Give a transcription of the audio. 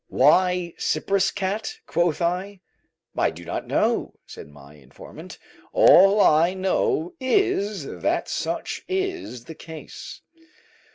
"Why Cyprus cat?" quoth I. "I do not know," said my informant. "All I know is, that such is the case."